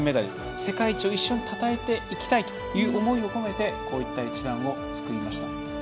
世界一を一緒にたたえていきたいという思いを込めてこういった一覧を作りました。